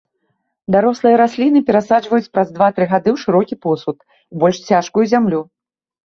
Дарослыя расліны перасаджваюць праз два-тры гады ў шырокі посуд, у больш цяжкую зямлю.